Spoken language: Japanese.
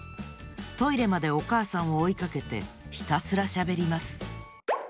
トイレまでおかあさんをおいかけてひたすらしゃべります